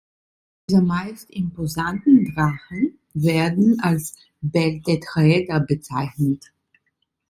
Diese meist imposanten Drachen werden als „Bell-Tetraeder“ bezeichnet.